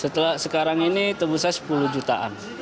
setelah sekarang ini tebusan sepuluh jutaan